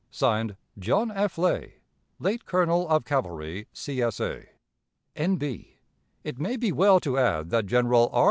(Signed) "John F. Lay, "Late Colonel of Cavalry, C. S. A. "N.B.: It may be well to add that General R.